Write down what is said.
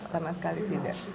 sama sekali tidak